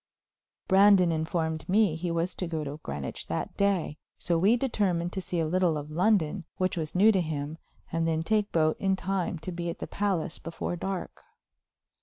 Brandon informed me he was to go to Greenwich that day, so we determined to see a little of London, which was new to him, and then take boat in time to be at the palace before dark.